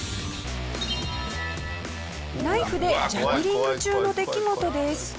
ナイフでジャグリング中の出来事です。